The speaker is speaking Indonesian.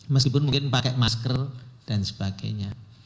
meskipun mungkin pakai masker dan sebagainya